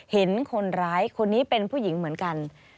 เห็นคนร้ายคนนี้เป็นผู้หญิงเหมือนกัน